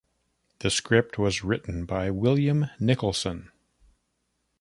The script was written by William Nicholson.